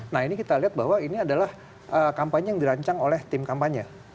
nah ini kita lihat bahwa ini adalah kampanye yang dirancang oleh tim kampanye